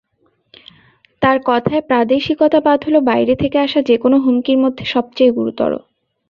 তাঁর কথায়, প্রাদেশিকতাবাদ হলো বাইরে থেকে আসা যেকোনো হুমকির মধ্যে সবচেয়ে গুরুতর।